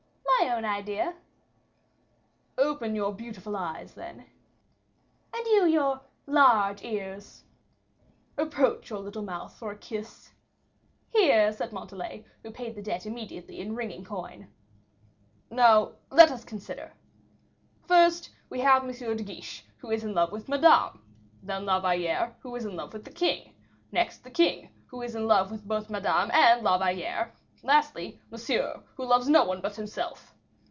"My own idea." "Open your beautiful eyes, then." "And you your large ears." "Approach your little mouth for a kiss." "Here," said Montalais, who paid the debt immediately in ringing coin. "Now let us consider. First, we have M. de Guiche, who is in love with Madame; then La Valliere, who is in love with the king; next, the king, who is in love both with Madame and La Valliere; lastly Monsieur, who loves no one but himself.